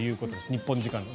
日本時間の。